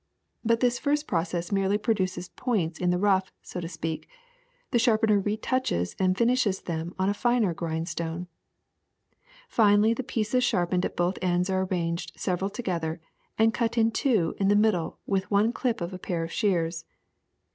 ^'But this first process merely produces points in the rough, so to speak ; the sharpener retouches and finishes them on a finer grindstone. Finally the pieces sharpened at both ends are arranged several together and cut in two in the middle with one clip of a pair of shears.